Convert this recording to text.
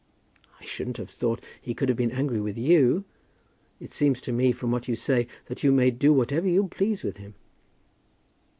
"I shouldn't have thought he could have been angry with you. It seems to me from what you say that you may do whatever you please with him."